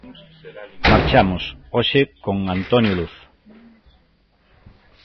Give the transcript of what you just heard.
Marchamos, hoxe con Antonio Luz.